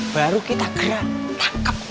baru kita gerak tangkap